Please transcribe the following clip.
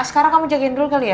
sekarang kamu jagain dulu kali ya